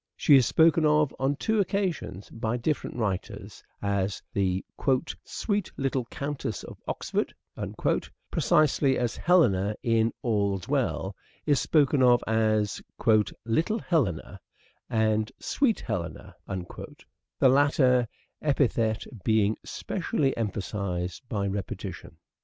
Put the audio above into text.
She is spoken of, on two occasions, by different writers, as the " sweet little Countess of Oxford," precisely as Helena, in " All's Well," is spoken of as "little Helena" (I, i) and " sweet Helena " (V, 3) : the latter epithet being specially emphasized by repetition.